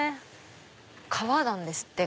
川なんですって